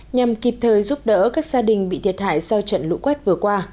nhằm kịp thời giúp đỡ các gia đình bị thiệt hại sau trận lũ quét vừa qua